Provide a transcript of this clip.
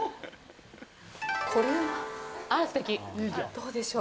どうでしょう。